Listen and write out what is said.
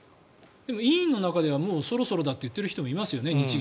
でも委員の中ではもうそろそろだと言っている人もいますよね。